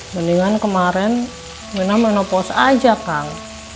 mendingan kemarin mina menopos aja kang